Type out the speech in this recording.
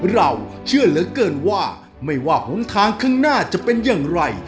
เราเชื่อเหลือเกินว่าไม่ว่าหนทางข้างหน้าจะเป็นอย่างไร